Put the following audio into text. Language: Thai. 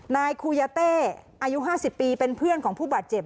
นายคูยาเต้อายุ๕๐ปีเป็นเพื่อนของผู้บาดเจ็บ